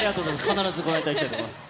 必ずご覧いただきたいと思います。